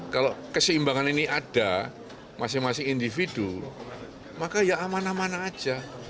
kalau keseimbangan ini ada masing masing individu maka ya amanah mana saja